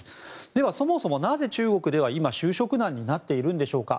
ではそもそもなぜ中国では今、就職難になっているんでしょうか。